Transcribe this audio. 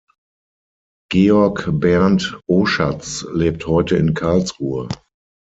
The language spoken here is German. Georg-Berndt Oschatz lebt heute in Karlsruhe.